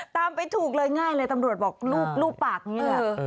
ตามไปถูกเลยง่ายเลยตำรวจบอกรูปปากนี้แหละ